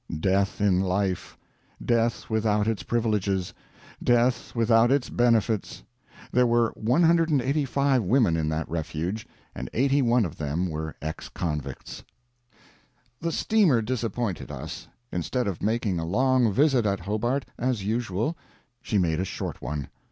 Death in life; death without its privileges, death without its benefits. There were 185 women in that Refuge, and 81 of them were ex convicts. The steamer disappointed us. Instead of making a long visit at Hobart, as usual, she made a short one.